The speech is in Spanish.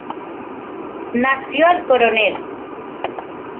Nació en Coronel.